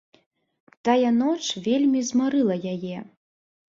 Тая ноч вельмі змарыла яе.